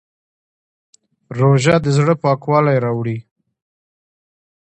روژه د زړه پاکوالی راوړي.